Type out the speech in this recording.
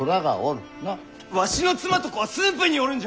わしの妻と子は駿府におるんじゃ！